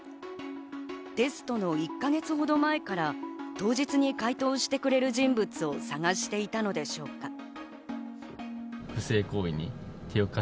テストの１か月ほど前から当日に解答してくれる人物を探していたのでしょうか。